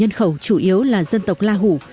tên khẩu chủ yếu là dân tộc la hủ